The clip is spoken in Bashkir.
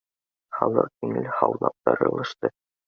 Халыҡ еңел һулап таралышты